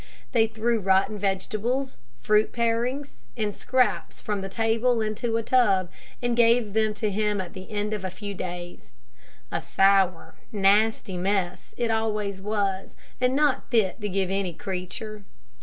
They threw rotten vegetables, fruit parings, and scraps from the table into a tub, and gave them to him at the end of a few days. A sour, nasty mess it always was, and not fit to give any creature.